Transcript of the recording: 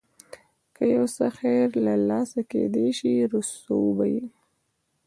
که یو څه خیر له لاسه کېدای شي رسوو به یې.